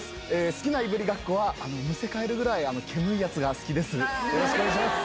好きないぶりがっこは、むせかえるくらい煙いやつが好きです。